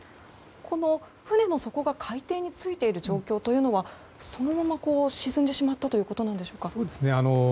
船の底が海底についている状況はそのまま沈んでしまったということでしょうか。